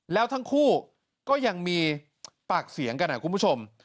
แล้วทั้งคู่ก็ยังมีปากเสียงกันครับคุณผู้ชม